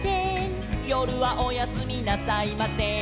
「よるはおやすみなさいません」